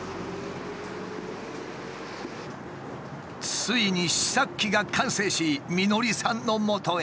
ついに試作機が完成し美典さんのもとへ。